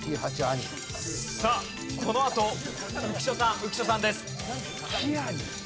このあと浮所さん浮所さんです。